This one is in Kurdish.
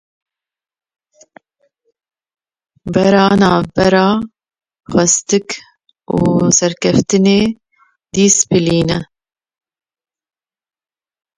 Pira navbera xwastek û serkeftinê, dîsîplîn e.